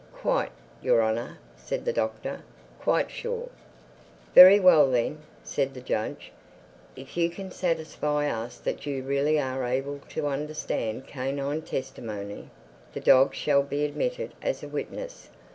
"Quite, Your Honor," said the Doctor—"quite sure." "Very well then," said the judge. "If you can satisfy us that you really are able to understand canine testimony, the dog shall be admitted as a witness.